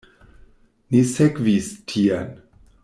Ni sekvis tien.